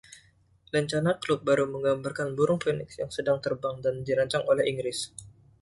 Lencana klub baru menggambarkan burung phoenix yang sedang terbang dan dirancang oleh Inggris.